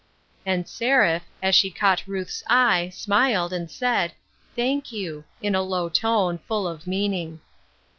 And Seraph, as she caught Ruth's eye, smiled, and said, " Thank you," in a low tone, full of meaning.